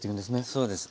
そうです。